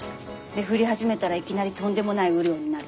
で降り始めたらいきなりとんでもない雨量になる？